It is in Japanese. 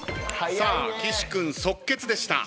さあ岸君即決でした。